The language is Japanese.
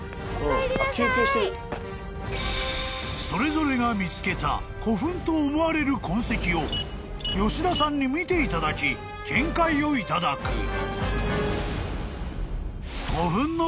［それぞれが見つけた古墳と思われる痕跡を吉田さんに見ていただき見解をいただく］